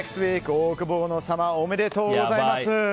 オオクボーノ様おめでとうございます。